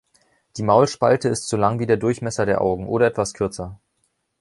Die Maulspalte ist so lang wie der Durchmesser der Augen oder etwas kürzer.